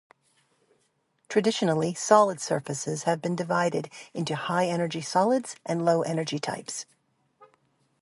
Traditionally, solid surfaces have been divided into high-energy solids and low-energy types.